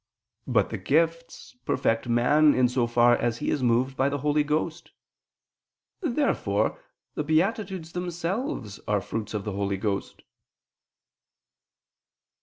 But the gifts perfect man in so far as he is moved by the Holy Ghost. Therefore the beatitudes themselves are fruits of the Holy Ghost.